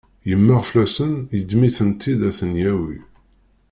Yemmeɣ fell-asen yeddem-iten-id ad ten-yawi.